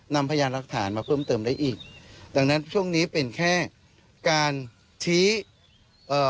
พยานรักฐานมาเพิ่มเติมได้อีกดังนั้นช่วงนี้เป็นแค่การชี้เอ่อ